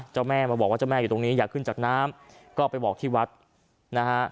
เจ้าแม่มาบอกว่าเจ้าแม่อยู่ตรงนี้อยากขึ้นจากน้ำก็ไปบอกที่วัดนะฮะ